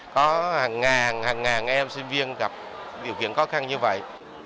có hàng ngàn hàng ngàn em sinh viên gặp điều kiện khó khăn như vậy